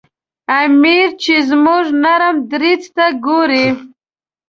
امیر چې زموږ نرم دریځ ته ګوري.